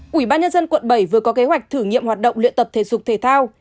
quận bảy tp hcm vừa có kế hoạch thử nghiệm hoạt động luyện tập thể dục thể thao